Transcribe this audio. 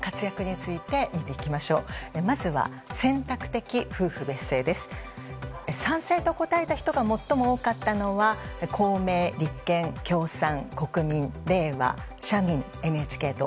賛成と答えた人が最も多かったのは公明、立憲、共産、国民れいわ、社民、ＮＨＫ党。